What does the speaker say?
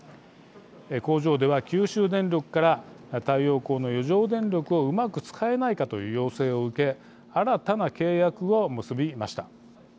工場では、九州電力から太陽光の余剰電力をうまく使えないかという要請を受け新たな契約を結びました。